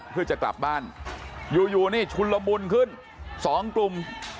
เพื่อจะกลับบ้านอยู่นี่ชุนละมุนขึ้น๒กลุ่ม